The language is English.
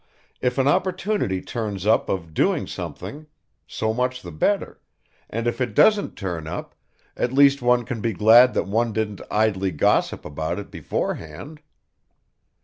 If an opportunity turns up of doing something so much the better, and if it doesn't turn up at least one can be glad that one didn't idly gossip about it beforehand."